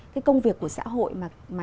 cái công việc của xã hội mà